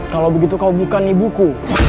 kalau begitu kau bukan ibuku